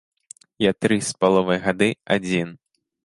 Я тры з паловай гады адзін.